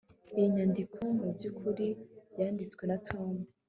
iyi nyandiko mubyukuri yanditswe na tom